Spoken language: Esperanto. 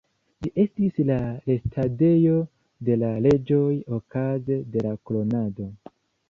Ĝi estis la restadejo de la reĝoj okaze de la kronado.